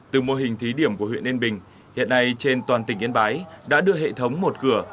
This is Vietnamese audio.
từ mô hình thí điểm của huyện yên bình hiện nay trên toàn tỉnh yên bái đã đưa hệ thống một cửa